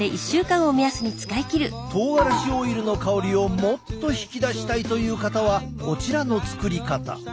とうがらしオイルの香りをもっと引き出したいという方はこちらの作り方。